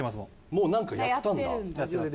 もうなんかやったんだ。